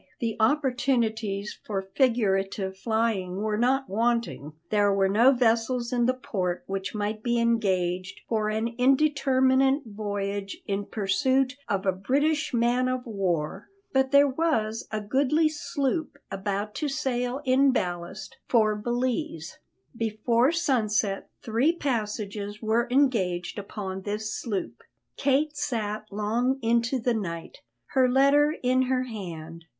The opportunities for figurative flying were not wanting. There were no vessels in the port which might be engaged for an indeterminate voyage in pursuit of a British man of war, but there was a goodly sloop about to sail in ballast for Belize. Before sunset three passages were engaged upon this sloop. Kate sat long into the night, her letter in her hand.